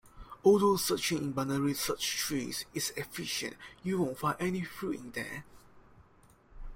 Although searching in binary search trees is efficient, you won't find any fruit in there.